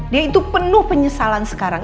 dia itu penuh penyesalan sekarang